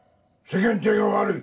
世間体がわるい。